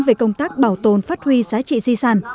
về công tác bảo tồn phát huy giá trị di sản